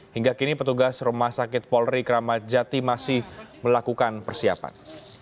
hingga kini petugas rumah sakit polri kramat jati masih melakukan persiapan